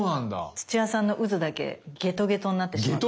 土屋さんのうずだけゲトゲトになってしまいます。